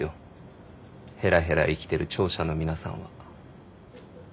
ヘラヘラ生きてる聴者の皆さんは。